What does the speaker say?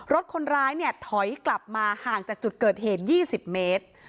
รถคนร้ายเนี่ยถอยกลับมาห่างจากจุดเกิดเหตุ๒๐เมตร